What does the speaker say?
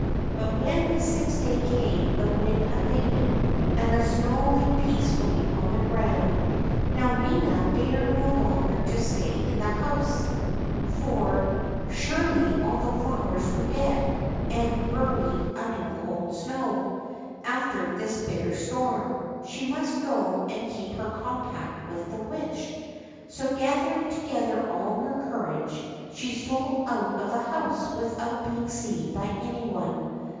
But when the sixth day came the wind abated and the snow lay peacefully on the ground. Now Nina dared no longer to stay in the house, for 3o6 THE CHILDREN'S WONDER BOOK. surely all the flowers were dead, and buried under the cold snow, after this bitter storm. She must go and keep her compact with the Witch. So gathering to gether all her courage, she stole out of the house without being seen by any one.